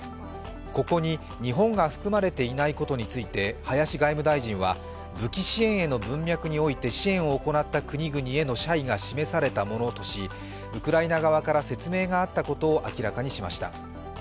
ここに日本が含まれていないことについて林外務大臣は武器支援への文脈において支援を行った国々への謝意が示されたものとし、ウクライナ側から説明があったことを明らかにしました。